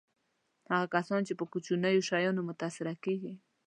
هغه کسان چې په کوچنیو شیانو متأثره کېږي.